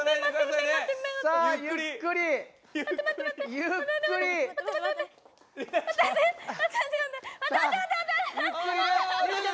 さあゆっくりね。